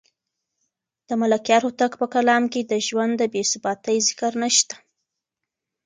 د ملکیار هوتک په کلام کې د ژوند د بې ثباتۍ ذکر نشته.